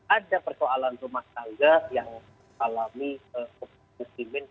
ada persoalan rumah tangga yang mengalami kobda muslimin dan korban yang ini kita sendiri menanggung lagi